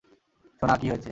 সোনা, কী হয়েছে?